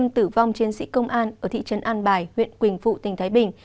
tuyên sĩ công an ở thị trấn an bài huyện quỳnh phụ tỉnh thái bình